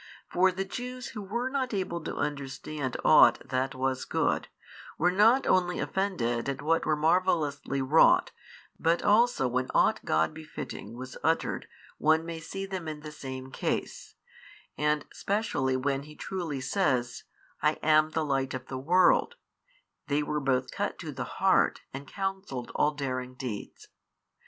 For the Jews who were not able to understand ought that was good, were not only offended at what were marvellously wrought, but also when ought God befitting was uttered one may see them in the same case, and specially when He truly says, I am the Light of the world, they were both cut to the heart and counselled all daring deeds.